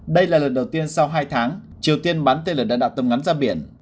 đây là lần đầu tiên sau hai tháng triều tiên bắn tên lửa đạn đạo tầm ngắn ra biển